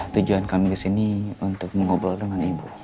tujuan kami kesini untuk mengobrol dengan ibu